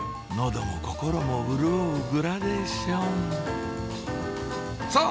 喉も心も潤うグラデーションさぁ